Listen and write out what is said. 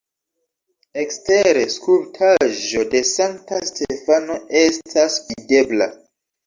Ekstere skulptaĵo de Sankta Stefano estas videbla.